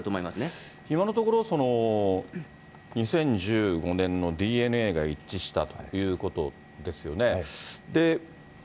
今のところ、２０１５年のＤＮＡが一致したということですよね。